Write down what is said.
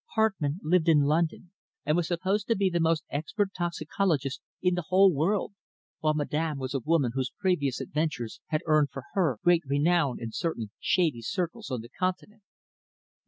Hartmann lived in London, and was supposed to be the most expert toxicologist in the whole world, while Madame was a woman whose previous adventures had earned for her great renown in certain shady circles on the Continent.